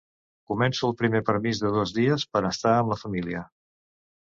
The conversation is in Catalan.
Començo el primer permís de dos dies per estar amb la família.